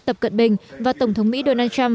tập cận bình và tổng thống mỹ donald trump